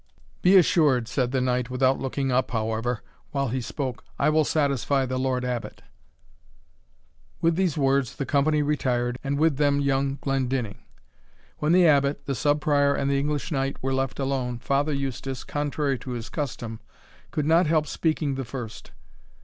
"Be assured," said the knight, without looking up, however, while he spoke, "I will satisfy the Lord Abbot." With these words the company retired, and with them young Glendinning. When the Abbot, the Sub Prior, and the English knight were left alone, Father Eustace, contrary to his custom, could not help speaking the first.